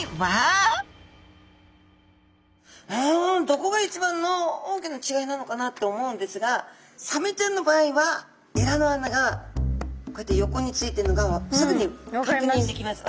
どこが一番の大きな違いなのかなって思うんですがサメちゃんの場合はエラの穴がこうやって横についているのがすぐにかくにんできます。